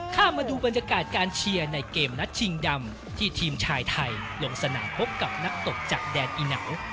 มาดูบรรยากาศการเชียร์ในเกมนัดชิงดำที่ทีมชายไทยลงสนามพบกับนักตกจากแดนอีเหนา